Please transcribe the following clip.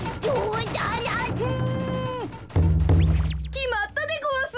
きまったでごわす！